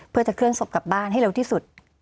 เพื่อจะเคลื่อนศพกลับบ้านให้เร็วที่สุด